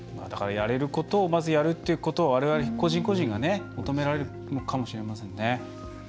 だから、やれることをまずやるっていうことをわれわれ個人個人が求められるのかもしれませんね。